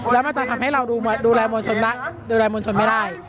และมันจะทำให้เราดูแลมวลชนไม่ได้